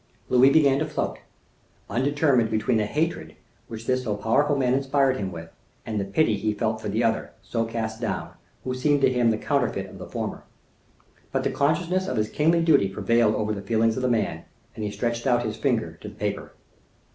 Louis began to float, undetermined between the hatred which this so powerful man inspired him with, and the pity he felt for the other, so cast down, who seemed to him the counterfeit of the former. But the consciousness of his kingly duty prevailed over the feelings of the man, and he stretched out his finger to the paper.